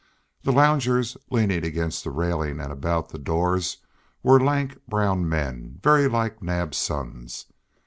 The loungers leaning against the railing and about the doors were lank brown men very like Naab's sons.